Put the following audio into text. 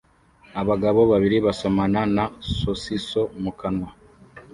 Abagabo babiri basomana na sosiso mu kanwa